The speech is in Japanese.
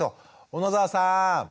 小野澤さん。